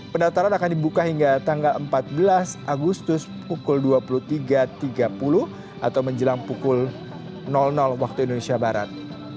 pendaftaran akan dibuka hingga tanggal empat belas agustus pukul dua puluh tiga tiga puluh atau menjelang pukul waktu indonesia barat